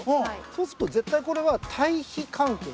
そうすると絶対これは対比関係。